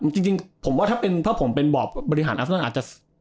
จริงพอผมเป็นบรอบบริหารอัสนอนอาจจะ